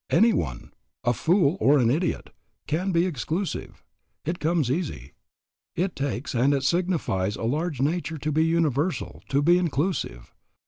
Any one a fool or an idiot can be exclusive. It comes easy. It takes and it signifies a large nature to be universal, to be inclusive.